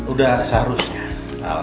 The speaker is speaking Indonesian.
udah seharusnya al